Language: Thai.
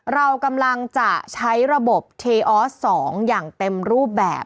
เรากำลังจะใช้ระบบเทออส๒อย่างเต็มรูปแบบ